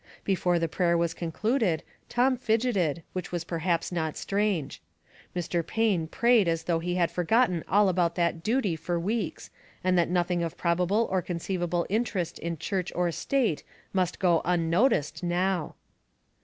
Before the prayer was concluded, Tom fidgeted, which was perhaps not strange. Mr. Payne prayed as though he had forgotten all about that duty for weeks, and that nothing of probable or conceivable interest in Church or State must go unnoticed now.